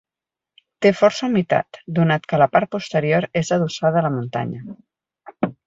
Té força humitat, donat que la part posterior és adossada a la muntanya.